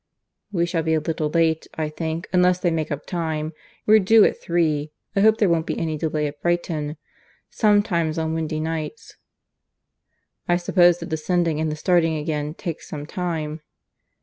"We shall be a little late, I think, unless they make up time. We're due at three. I hope there won't be any delay at Brighton. Sometimes on windy nights " "I suppose the descending and the starting again takes some time."